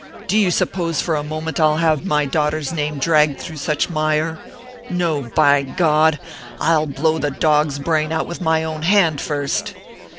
Do you suppose for a moment I'll have my daughter's name dragged through such mire? No, by God! I'll blow the dog's brains out with my own hand first!"